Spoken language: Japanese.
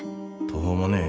途方もねえ